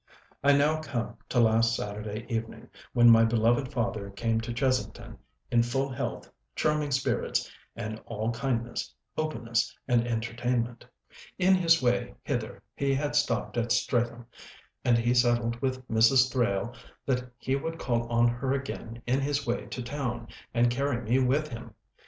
I now come to last Saturday evening, when my beloved father came to Chesington, in full health, charming spirits, and all kindness, openness, and entertainment. In his way hither he had stopped at Streatham, and he settled with Mrs. Thrale that he would call on her again in his way to town, and carry me with him!